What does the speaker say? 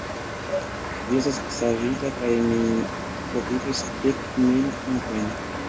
Vi estas savita kaj mi profitos dek mil frankojn.